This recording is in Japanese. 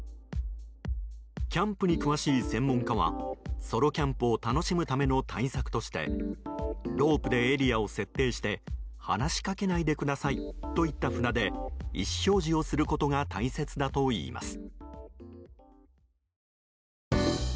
キャンプに詳しい専門家はソロキャンプを楽しむための対策としてロープでエリアを設定して話しかけないでくださいといった札で意思表示をすることが大切だといいます。